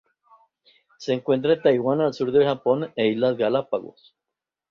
Se encuentra en Taiwán, el sur del Japón e Islas Galápagos.